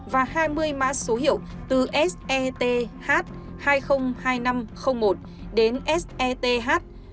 và hai mươi mã số hiệu từ seth hai trăm linh hai nghìn năm trăm linh một đến seth hai trăm linh hai nghìn năm trăm hai mươi